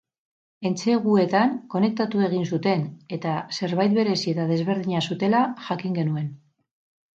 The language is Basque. Entseguetan konektatu egin zuten, eta zerbait berezi eta desberdina zutela jakin genuen.